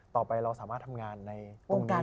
ต่อไปเราสามารถทำงานในตรงนั้น